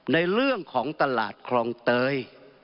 ในเรื่องของตลาดคลองเตย